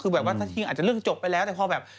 คือเมื่อจะเรื่องจบไปแล้วแต่พอแบบ